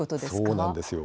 そうなんですよ。